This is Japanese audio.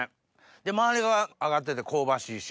で周りが揚がってて香ばしいし。